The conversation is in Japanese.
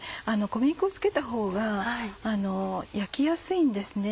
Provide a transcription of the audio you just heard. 小麦粉をつけたほうが焼きやすいんですね。